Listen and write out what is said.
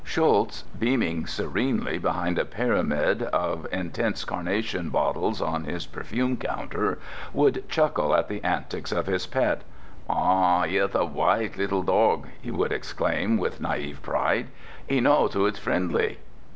Schulz, beaming serenely behind a pyramid of "intense carnation" bottles on his perfume counter, would chuckle at the antics of his pet. "Ah, he is a wise little dog!" he would exclaim with naïve pride. "He knows who is friendly!"